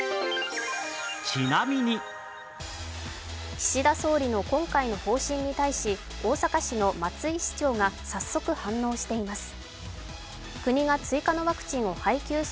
岸田総理の今回の方針に対し、大阪市の松井市長が早速、反応しています。